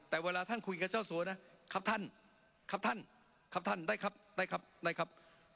แต่เวลาท่านคุยกับเจ้าสัวนะครับท่านครับท่านครับท่านได้ครับได้ครับได้ครับ